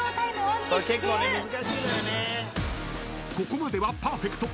［ここまではパーフェクト］